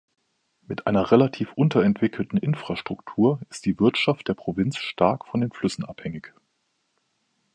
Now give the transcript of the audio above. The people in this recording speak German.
Mit einer relativ unterentwickelten Infrastruktur ist die Wirtschaft der Provinz stark von den Flüssen abhängig.